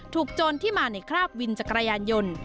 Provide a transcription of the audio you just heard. โจรที่มาในคราบวินจักรยานยนต์